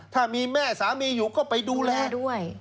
ถ้ามีแม่สามีอยู่ก็ไปดูแลแม่ด้วย